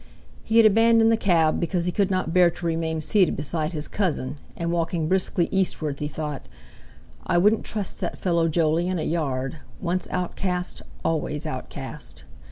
He had abandoned the cab because he could not bear to remain seated beside his cousin, and walking briskly eastwards he thought: "I wouldn't trust that fellow Jolyon a yard. Once outcast, always outcast!"